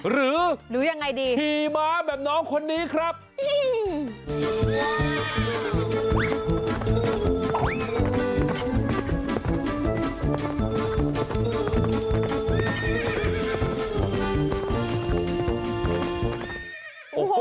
หรือพี่ม้าแบบน้องคนนี้ครับหรือยังไงดี